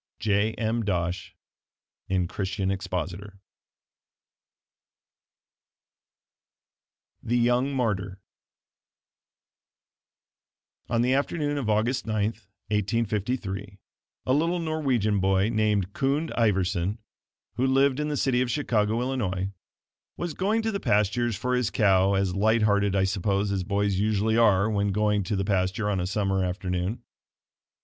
J. M. Dosh, in Christian Expositor THE YOUNG MARTYR On the afternoon of August 9, 1853, a little Norwegian boy, named Kund Iverson, who lived in the city of Chicago, Illinois, was going to the pastures for his cow as light hearted, I suppose, as boys usually are when going to the pasture on a summer afternoon.